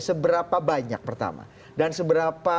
seberapa banyak pertama dan seberapa